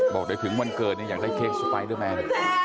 บอกว่าถึงวันเกิดอยากได้เค้กสปไตเดอร์แมน